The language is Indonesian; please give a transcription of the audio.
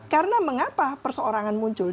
karena mengapa perseorangan muncul